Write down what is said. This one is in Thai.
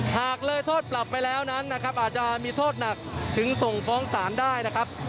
หากเลยโทษปรับไปแล้วนั้นนะครับอาจจะมีโทษหนักถึงส่งฟ้องศาลได้นะครับ